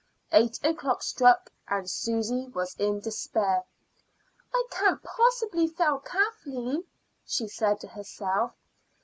Eight o'clock struck. Susy was in despair. "I can't possibly fail Kathleen," she said to herself.